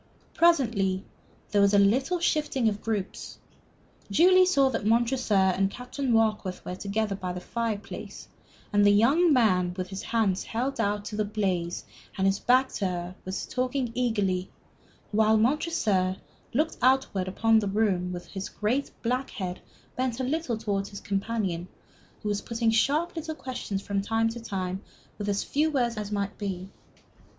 Presently there was a little shifting of groups. Julie saw that Montresor and Captain Warkworth were together by the fireplace, that the young man with his hands held out to the blaze and his back to her was talking eagerly, while Montresor, looking outward into the room, his great black head bent a little towards his companion, was putting sharp little questions from time to time, with as few words as might be.